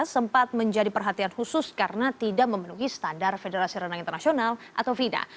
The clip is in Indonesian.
sempat menjadi perhatian khusus karena tidak memenuhi standar federasi renang internasional atau fina